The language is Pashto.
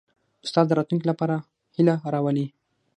استاد د راتلونکي لپاره هیله راولي.